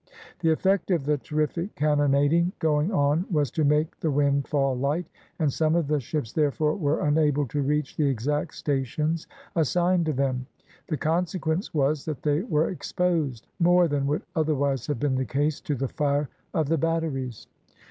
The effect of the terrific cannonading going on was to make the wind fall light, and some of the ships, therefore, were unable to reach the exact stations assigned to them; the consequence was, that they were exposed, more than would otherwise have been the case, to the fire of the batteries.